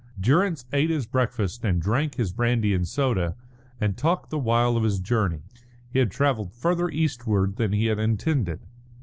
Durrance ate his breakfast and drank his brandy and soda, and talked the while of his journey. He had travelled farther eastward than he had intended.